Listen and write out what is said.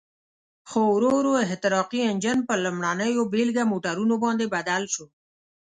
خو ورو ورو احتراقي انجن په لومړنیو بېلګه موټرونو باندې بدل شو.